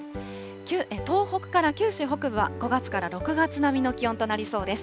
東北から九州北部は５月から６月並みの気温となりそうです。